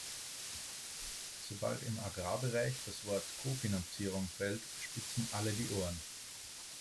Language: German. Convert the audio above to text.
Sobald im Agrarbereich das Wort Kofinanzierung fällt, spitzen alle die Ohren.